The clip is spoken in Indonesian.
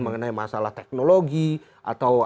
mengenai masalah teknologi atau